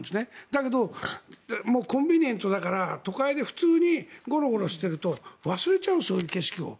だけど、コンビニエントだから都会で普通にゴロゴロしてると忘れちゃう、そういう景色を。